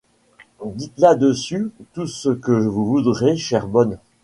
Dites là-dessus tout ce que vous voudrez, chère bonne.